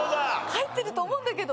入ってると思うんだけど。